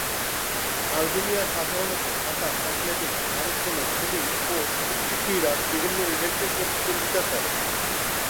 Albania সাধারণত সাঁতার, athletics, ভারোত্তোলন, শ্যুটিং ও কুস্তি ক্রীড়ার বিভিন্ন ইভেন্টে প্রতিদ্বন্দ্বিতা করে।